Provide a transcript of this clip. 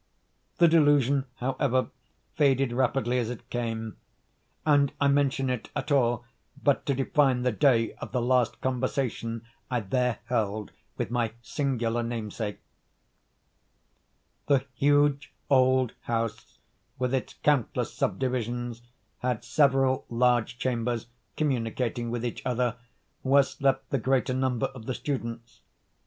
The delusion, however, faded rapidly as it came; and I mention it at all but to define the day of the last conversation I there held with my singular namesake. The huge old house, with its countless subdivisions, had several large chambers communicating with each other, where slept the greater number of the students.